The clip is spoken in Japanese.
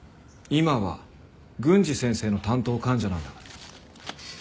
今は郡司先生の担当患者なんだから。